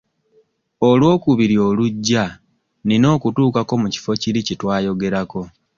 Olwokubiri olujja nina okutuukako mu kifo kiri kye twayogerako.